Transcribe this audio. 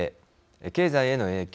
経済への影響。